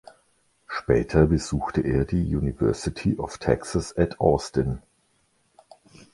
Später besuchte er die University of Texas at Austin.